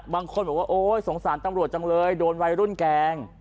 บางคนสงสารตำรวจจังเลยโดนไวรุ่นแกง